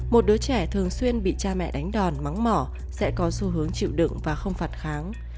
một đứa trẻ thường xuyên bị cha mẹ đánh đòn mắng mỏ sẽ có xu hướng chịu đựng và không phạt kháng